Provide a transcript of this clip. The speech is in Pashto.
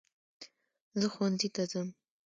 زہ ښوونځي ته ځم